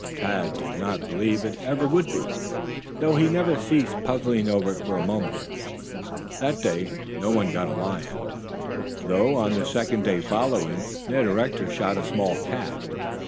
Tad did not believe it ever would be, though he never ceased puzzling over it for a moment. That day no one got a lion, though on the second day following Ned Rector shot a small cat.